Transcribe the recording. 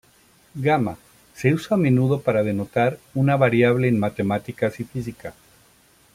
Gamma se usa a menudo para denotar una variable en matemáticas y física.